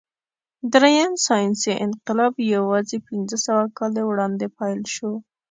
درېیم ساینسي انقلاب یواځې پنځهسوه کاله وړاندې پیل شو.